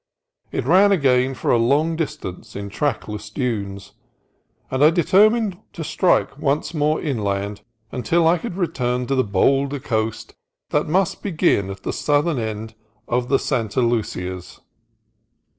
It ran again for a long distance in trackless dunes ; and I determined to strike once more inland until I could return to the bolder coast that must begin at the southern end of the Santa Lucias.